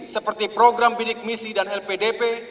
seperti program bidik misi dan lpdp